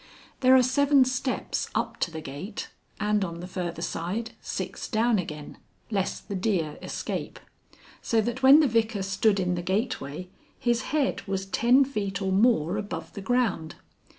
There are seven steps up to the gate and on the further side six down again lest the deer escape so that when the Vicar stood in the gateway his head was ten feet or more above the ground.